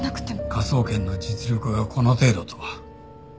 科捜研の実力がこの程度とは。